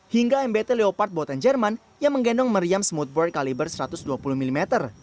hingga mbt leopard buatan jerman yang menggendong meriam smoothboard kaliber satu ratus dua puluh mm